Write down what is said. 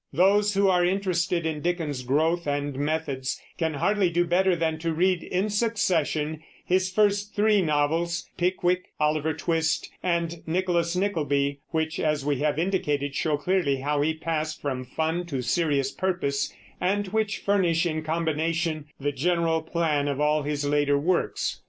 Those who are interested in Dickens's growth and methods can hardly do better than to read in succession his first three novels, Pickwick, Oliver Twist, and Nicholas Nickleby, which, as we have indicated, show clearly how he passed from fun to serious purpose, and which furnish in combination the general plan of all his later works.